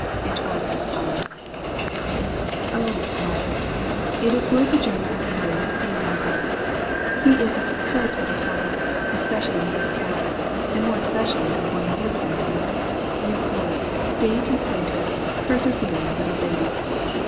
It was as follows: "Oh, Margaret, it is worth a journey from England to see my boy! He is a superb little fellow, especially in his caps, and most especially in the one you sent him, you good, dainty fingered, persevering little lady!